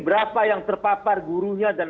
berapa yang terpapar gurunya dan